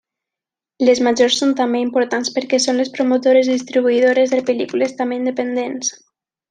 Les Majors són també importants perquè són les promotores i distribuïdores de pel·lícules també independents.